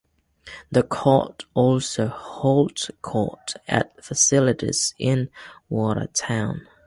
The court also holds court at facilities in Watertown.